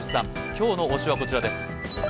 今日の推しはこちら。